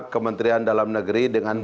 kementerian dalam negeri dengan